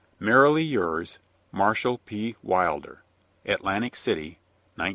Merrily yours, MARSHALL P. WILDER. ATLANTIC CITY, 1908.